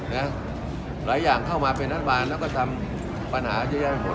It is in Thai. หลายอย่างเข้ามาเป็นรัฐบาลแล้วก็ทำปัญหาเยอะแยะไปหมด